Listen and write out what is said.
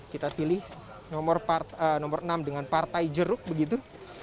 kita pilih nomor enam dengan partai jeruk begitu